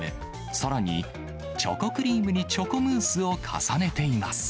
さらにチョコクリームにチョコムースを重ねています。